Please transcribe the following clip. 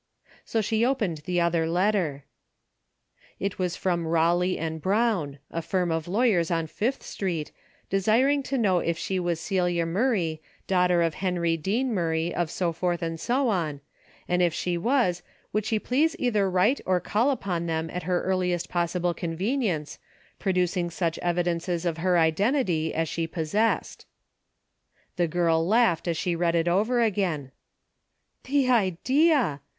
So she opened the other letter. It was from Kawley and Brown, a firm of lawyers on Fifth street, desiring to know if she was Celia Murra^q daughter of Henry Dean Murray of so forth and so on, and if she was, would she please either write or call upon them at her earliest possible convenience, pro ducing such evidences of her identity as she possessed. The' girl laughed as she read it over again. 22 A DAILY EATEA' " The idea